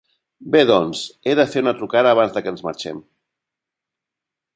Bé doncs, he de fer una trucada abans de que ens marxem.